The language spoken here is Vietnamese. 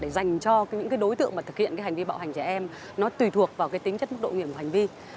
đối tượng thực hiện hành vi bạo hành trẻ em tùy thuộc vào tính chất mức độ nghiệp của hành vi